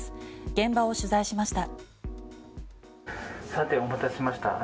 現場を取材しました。